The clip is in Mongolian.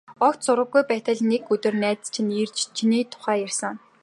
Огт сураггүй байтал нэг өдөр найз чинь ирж, чиний тухай ярьсан.